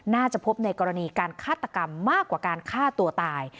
น่าจะพบในกรณีการฆาตกรรมมากกว่าการฆ่าตัวตาย